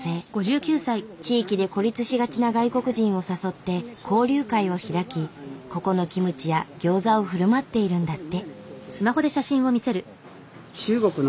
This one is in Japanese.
地域で孤立しがちな外国人を誘って交流会を開きここのキムチやギョーザをふるまっているんだって。